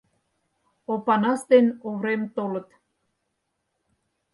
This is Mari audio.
Опанас ден Оврем толыт.